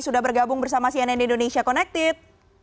sudah bergabung bersama cnn indonesia connected